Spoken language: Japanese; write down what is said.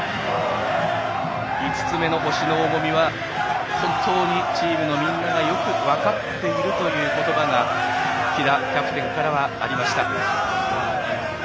５つ目の星の重みは本当にチームのみんなが分かっているという言葉が喜田キャプテンからありました。